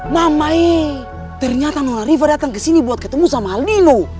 mamai ternyata nolah riva datang kesini buat ketemu sama aldino